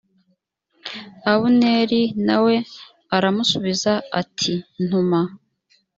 abuneri na we aramusubiza ati ntuma